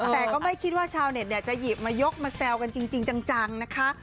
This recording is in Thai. แต่ก็ไม่คิดว่าชาวเน็ตจะหยิบมายกมาแซวกันจริงจังนะคะ